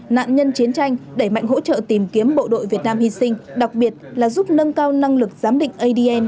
nạn nhân chiến tranh đẩy mạnh hỗ trợ tìm kiếm bộ đội việt nam hy sinh đặc biệt là giúp nâng cao năng lực giám định adn